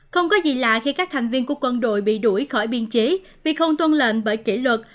không có gì lạ khi các thành viên của quân đội bị đuổi khỏi biên chế vì không tuân lệnh bởi kỷ luật